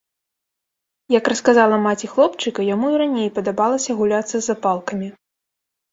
Як расказала маці хлопчыка, яму і раней падабалася гуляцца з запалкамі.